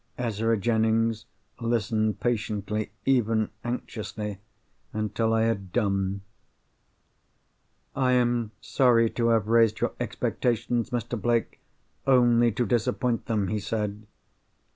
Ezra Jennings listened patiently, even anxiously, until I had done. "I am sorry to have raised your expectations, Mr. Blake, only to disappoint them," he said.